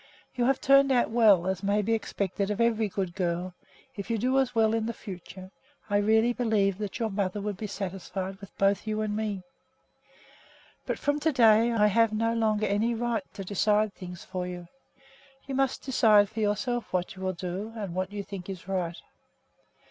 You have turned out well, as may be expected of every good girl; if you do as well in the future, I really believe that your mother would be satisfied with both you and me. But from to day I have no longer any right to decide things for you. You must decide for yourself what you will do and what you think is right.